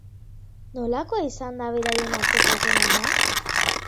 Nolakoa izan da beraien arteko harremana?